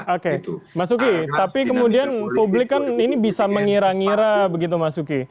oke mas uki tapi kemudian publik kan ini bisa mengira ngira begitu mas uki